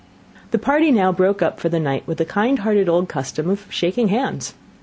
The party now broke up for the night with the kind hearted old custom of shaking hands.